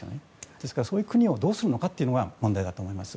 ですから、そういう国をどうするかというのは問題だと思います。